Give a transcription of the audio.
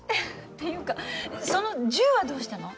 っていうかその銃はどうしたの？